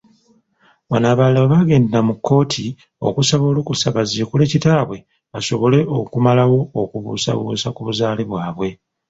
Wano abalala we baagendera mu kkooti okusaba olukusa baziikule kitaabye basobole okumalawo okubuusabussa ku buzaale bwabwe.